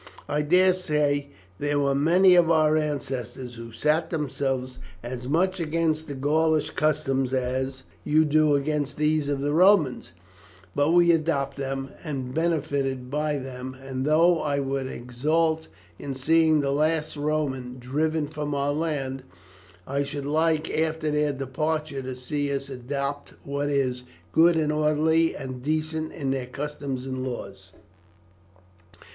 I daresay there were many of our ancestors who set themselves as much against the Gaulish customs as you do against those of the Romans; but we adopted them, and benefited by them, and though I would exult in seeing the last Roman driven from our land, I should like after their departure to see us adopt what is good and orderly and decent in their customs and laws."